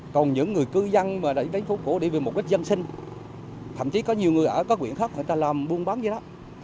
còn những người cư dân mà đến khu phố cổ để về mục đích dân sinh thậm chí có nhiều người ở các nguyện khác người ta làm buôn bán với nó